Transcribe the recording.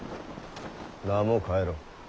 名も変えろ。